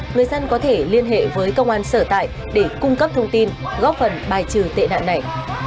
người dân có thể liên hệ với công an sở tại để cung cấp thông tin góp phần bài trừ tệ nạn này